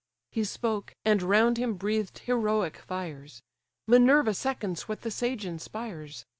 He spoke, and round him breathed heroic fires; Minerva seconds what the sage inspires.